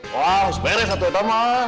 wah harus beres satu damai